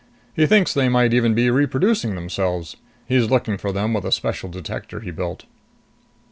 He thinks they might even be reproducing themselves. He's looking for them with a special detector he built."